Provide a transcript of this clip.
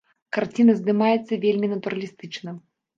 Карціна здымаецца вельмі натуралістычна.